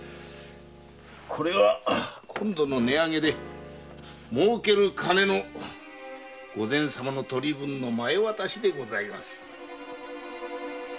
これは今度の値上げで儲ける金の御前様の取り分の前渡しでございます。